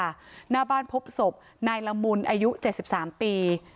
หน้าบ้านพบศพนายละมุนอายุ๗๓ปี